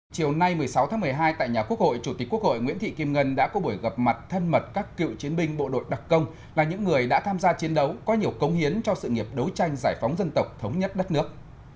chiều nay một mươi sáu tháng một mươi hai tại nhà quốc hội chủ tịch quốc hội nguyễn thị kim ngân đã có buổi gặp mặt thân mật các cựu chiến binh bộ đội đặc công là những người đã tham gia chiến đấu có nhiều công hiến cho sự nghiệp đấu tranh giải phóng dân tộc thống nhất đất nước